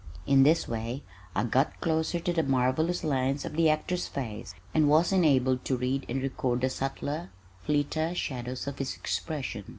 In this way I got closer to the marvellous lines of the actor's face, and was enabled to read and record the subtler, fleeter shadows of his expression.